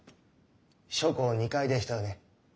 書庫２階でしたよね。